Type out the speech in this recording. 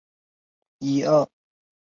先世彭城郡刘氏。